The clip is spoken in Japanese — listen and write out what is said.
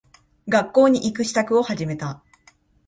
学校に行く支度を始めた。